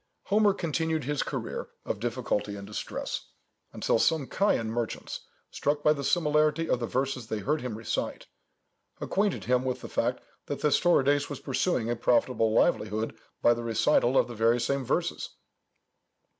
Homer continued his career of difficulty and distress, until some Chian merchants, struck by the similarity of the verses they heard him recite, acquainted him with the fact that Thestorides was pursuing a profitable livelihood by the recital of the very same poems.